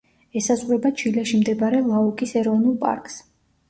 ესაზღვრება ჩილეში მდებარე ლაუკის ეროვნულ პარკს.